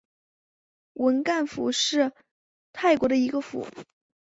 汶干府是泰国的一个府。